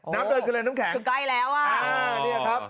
น้ำเดินคืออะไรน้ำแข็งคือใกล้แล้วอ่านี่แหละครับ